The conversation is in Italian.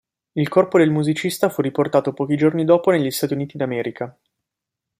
Il corpo del musicista fu riportato pochi giorni dopo negli Stati Uniti d'America.